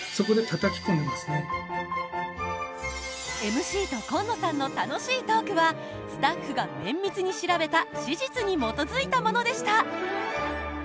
ＭＣと今野さんの楽しいトークはスタッフが綿密に調べた史実に基づいたものでした。